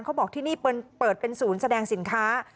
เขาบอกที่นี่เปิดเป็นศูนย์แสดงสินค้า